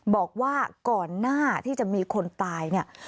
บอกว่าก่อนหน้าที่จะมีคนตายเนี่ย